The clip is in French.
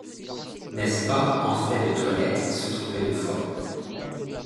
N’est-ce pas, en fait de toilette, se tromper deux fois ?…